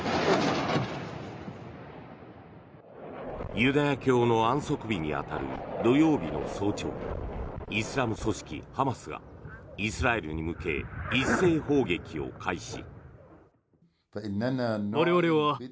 ユダヤ教の安息日に当たる土曜日の早朝イスラム組織ハマスがイスラエルに向け一斉砲撃を開始。